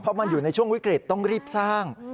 เพราะมันอยู่ในช่วงวิกฤตต้องรีบสร้าง